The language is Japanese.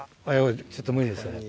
ちょっと無理ですよね。